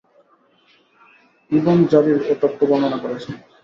Ibn Jarir এ তথ্য বর্ণনা করেছেন।